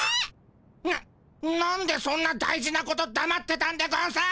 ななんでそんな大事なことだまってたんでゴンス？